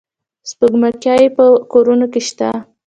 سپوږمکۍ په کورونو کې شته.